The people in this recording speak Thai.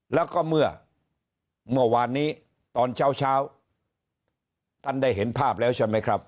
แล้วก็เมื่อเมื่อวานนี้ตอนเช้าเช้าท่านได้เห็นภาพแล้วใช่ไหมครับ